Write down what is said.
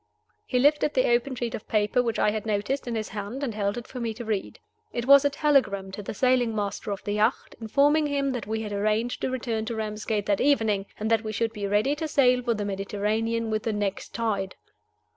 He lifted the open sheet of paper which I had noticed in his hand, and held it for me to read. It was a telegram to the sailing master of the yacht, informing him that we had arranged to return to Ramsgate that evening, and that we should be ready to sail for the Mediterranean with the next tide.